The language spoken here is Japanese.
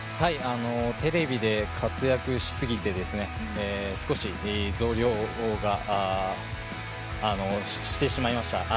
テレビで活躍しすぎて少し増量してしまいました。